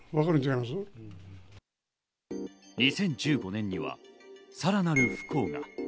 ２０１５年にはさらなる不幸が。